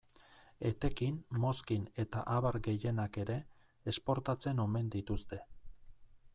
Etekin, mozkin eta abar gehienak ere, esportatzen omen dituzte.